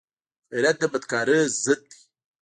غیرت د بدکارۍ ضد دی